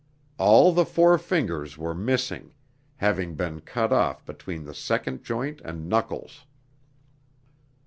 All the four fingers were missing, having been cut off between the second joint and knuckles.